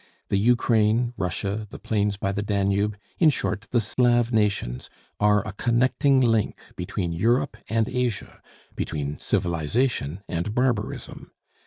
The Ukraine, Russia, the plains by the Danube, in short, the Slav nations, are a connecting link between Europe and Asia, between civilization and barbarism.